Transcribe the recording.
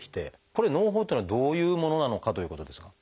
これのう胞っていうのはどういうものなのかということですが。